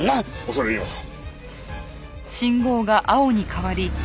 恐れ入ります。